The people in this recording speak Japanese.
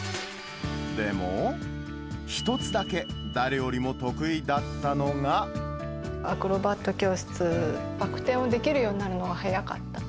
でも、１つだけ、アクロバット教室、バク転をできるようになるのは早かった。